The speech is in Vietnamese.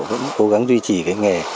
vẫn cố gắng duy trì cái nghề